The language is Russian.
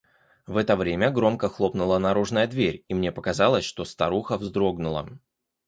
В это время громко хлопнула наружная дверь, и мне показалось, что старуха вздрогнула.